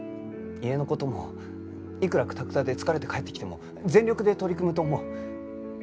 家の事もいくらクタクタで疲れて帰ってきても全力で取り組むと思う。